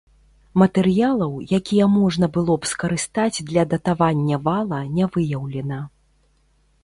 Матэрыялаў, якія можна было б скарыстаць для датавання вала, не выяўлена.